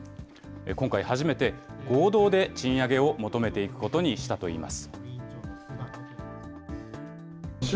今回初めて、合同で賃上げを求めていくことにしたといいます。